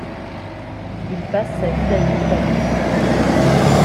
Il passe sa vie d'adulte à Nancy.